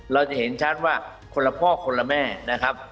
เราจะเห็นชัดว่าคนละพ่อคนละแม่นะครับ